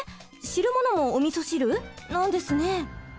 汁物もおみそ汁なんですね。